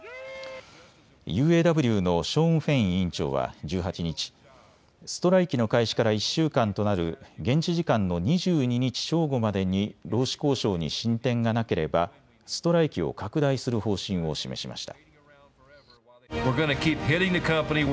ＵＡＷのショーン・フェイン委員長は１８日、ストライキの開始から１週間となる現地時間の２２日正午までに労使交渉に進展がなければストライキを拡大する方針を示しました。